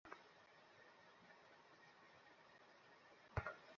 বিশ্বাস করুন, আমি কেবল সাংবাদিক।